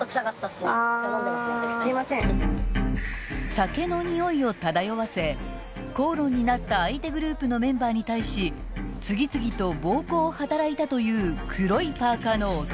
［酒の臭いを漂わせ口論になった相手グループのメンバーに対し次々と暴行を働いたという黒いパーカーの男］